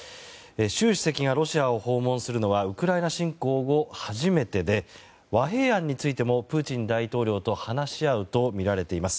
習主席がロシアを訪問するのはウクライナ侵攻後初めてで和平案についてもプーチン大統領と話し合うとみられています。